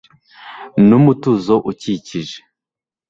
numutuzo ukikije